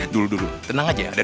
dulu dulu tenang aja ada